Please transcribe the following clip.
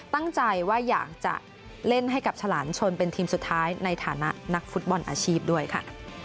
ตั้งใจว่าอยากจะเล่นให้กับฉลามชนเป็นทีมสุดท้ายในฐานะนักฟุตบอลอาชีพด้วยค่ะ